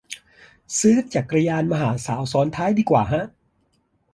ซื้อจักรยานมาหาสาวซ้อนท้ายดีกว่าฮะ